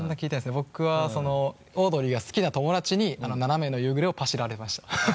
僕はオードリーが好きな友達に「ナナメの夕暮れ」をパシられました。